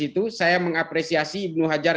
itu saya mengapresiasi ibnu hajar